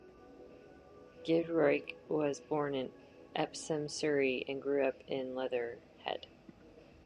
Giedroyc was born in Epsom, Surrey, and grew up in Leatherhead.